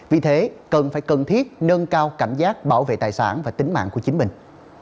vì thế cần phải cần thiết nâng cao cảnh giác bảo vệ tài sản và tính mạng của chính mình